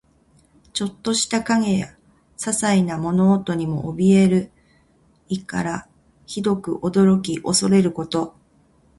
ちょっとした影やささいな物音にもおびえる意から、ひどく驚き怖れること。